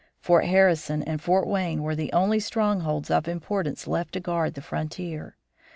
Fort Harrison and Fort Wayne were the only strongholds of importance left to guard the frontier.